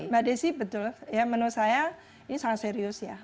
mbak desi betul ya menurut saya ini sangat serius ya